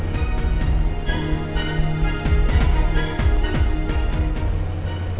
kita disuruh datang